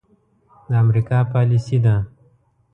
د امريکا پاليسي ده.